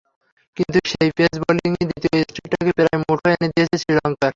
কিন্তু সেই পেস বোলিংই দ্বিতীয় টেস্টটাকে প্রায় মুঠোয় এনে দিয়েছে শ্রীলঙ্কার।